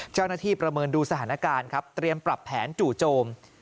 ประเมินดูสถานการณ์ครับเตรียมปรับแผนจู่โจม